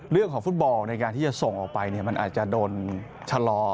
เรื่องของฟุตบอลในการที่จะส่งออกไปมันอาจจะโดนชะลอ